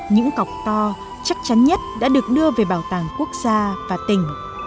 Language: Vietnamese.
những cọc to chắc chắn nhất đã được đưa về bảo tàng quốc gia và tỉnh